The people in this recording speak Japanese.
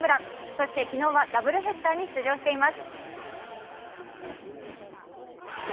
そして昨日はダブルヘッダーに出場しています